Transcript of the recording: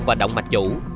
và động mạch chủ